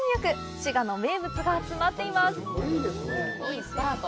滋賀の名物が詰まっています。